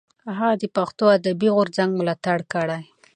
هغه د پښتو ادبي غورځنګ ملاتړ کړی.